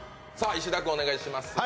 石田君お願いします。